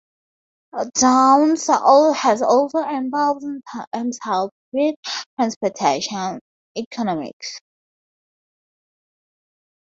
Downs has involved himself with transportation economics.